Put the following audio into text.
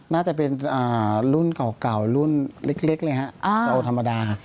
น่าจะเป็นรุ่นเก่ารุ่นเล็กเลยฮะเราธรรมดา